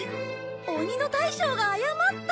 鬼の大将が謝った。